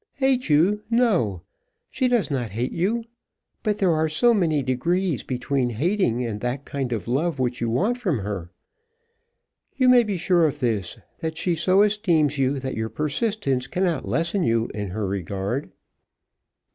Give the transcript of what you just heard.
"Hate you! no; she does not hate you. But there are so many degrees between hating and that kind of love which you want from her! You may be sure of this, that she so esteems you that your persistence cannot lessen you in her regard."